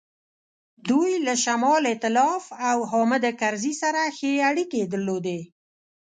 دوی له شمال ایتلاف او حامد کرزي سره ښې اړیکې درلودې.